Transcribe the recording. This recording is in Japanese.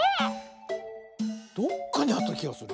どっかにあったきがする。